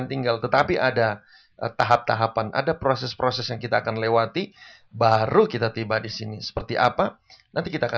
bunga itu dialah tuhan yesus yang kasih ke anak